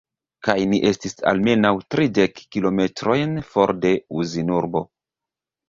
Kaj ni estis almenaŭ tridek kilometrojn for de Uzinurbo.